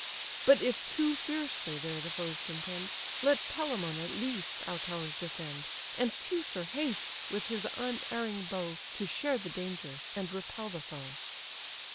But if too fiercely there the foes contend, Let Telamon, at least, our towers defend, And Teucer haste with his unerring bow To share the danger, and repel the foe."